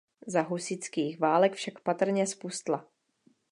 Za husitských válek však patrně zpustla.